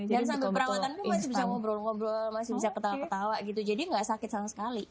dan sambil perawatan pun masih bisa ngobrol ngobrol masih bisa ketawa ketawa gitu jadi nggak sakit sama sekali